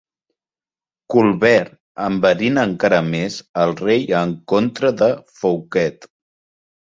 Colbert enverina encara més al rei en contra de Fouquet.